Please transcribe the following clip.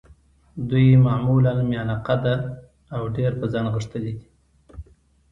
دوی معمولاً میانه قده او ډېر په ځان غښتلي دي.